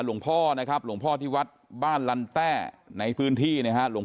หลวงพ่อนะครับหลวงพ่อที่วัดบ้านลันแต้ในพื้นที่นะฮะหลวง